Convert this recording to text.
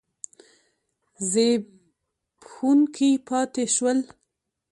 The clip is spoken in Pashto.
زبېښونکي پاتې شول.